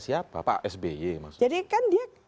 siapa pak sby jadi kan dia